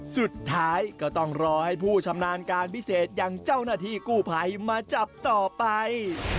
สุดท้ายก็ต้องรอให้ผู้ชำนาญการพิเศษอย่างเจ้าหน้าที่กู้ภัยมาจับต่อไป